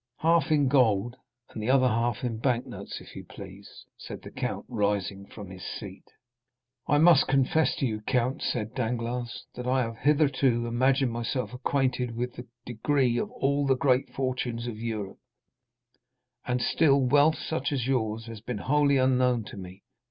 "Half in gold, and the other half in bank notes, if you please," said the count, rising from his seat. "I must confess to you, count," said Danglars, "that I have hitherto imagined myself acquainted with the degree of all the great fortunes of Europe, and still wealth such as yours has been wholly unknown to me.